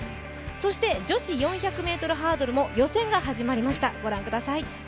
そして女子４００ｍハードルも予選が始まりました。